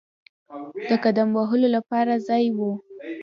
د قدم وهلو لپاره ځای وو.